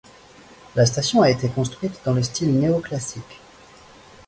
La station a été construite dans le style néo-classique.